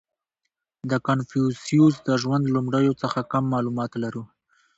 • د کنفوسیوس د ژوند لومړیو څخه کم معلومات لرو.